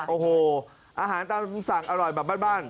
โอ้โหอาหารตามสั่งอร่อยแบบบ้าน